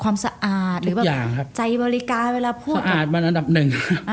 ความสะอาดหรือบางอย่างครับใจบริการเวลาพูดสะอาดมันอันดับหนึ่ง